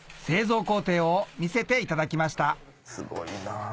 製造工程を見せていただきましたすごいな。